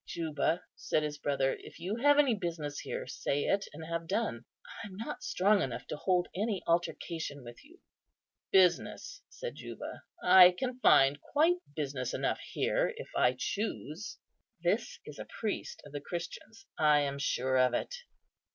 "Juba," said his brother, "if you have any business here, say it, and have done. I am not strong enough to hold any altercation with you." "Business!" said Juba, "I can find quite business enough here, if I choose. This is a priest of the Christians. I am sure of it."